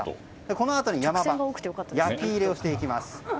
このあとに山場焼き入れをしていきます。